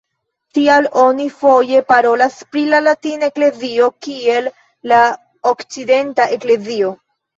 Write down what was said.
Tial oni foje parolas pri la latina eklezio kiel "la okcidenta eklezio".